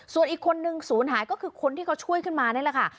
ส่วนอีกคนนึงศูนย์หายก็คือคนที่เขาช่วยขึ้นมานี่แหละค่ะ